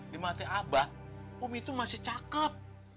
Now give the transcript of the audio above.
di mati abah umi tuh masih cakep